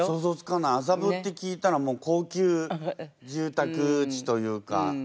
麻布って聞いたらもう高級住宅地というか。